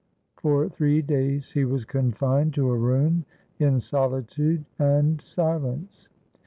For three days he was confined to a room in solitude and silence.